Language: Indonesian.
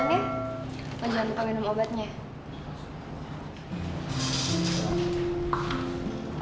lo jangan minta minum obatnya